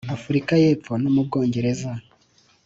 Afurika y’Epfo no mu Bwongereza